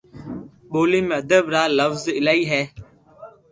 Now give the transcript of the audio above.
ٻولي ۾ ادب را لفظ ايلائي ھي